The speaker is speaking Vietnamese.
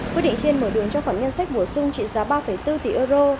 quyết định trên mở đường cho khoản ngân sách bổ sung trị giá ba bốn tỷ euro